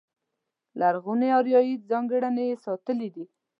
لرغونې اریایي ځانګړنې یې ساتلې دي.